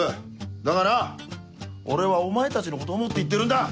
だがな俺はお前たちのことを思って言ってるんだ！